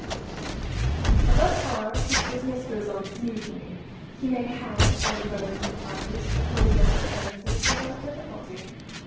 Thus far his business goes on smoothly: he may hang or burn the parties according as he fancies without difficulty.